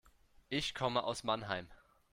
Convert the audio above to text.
Ich komme aus Mannheim